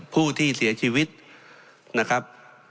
ผู้ที่เสียชีวิตนะครับ